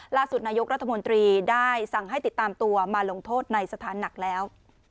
นายกรัฐมนตรีได้สั่งให้ติดตามตัวมาลงโทษในสถานหนักแล้ว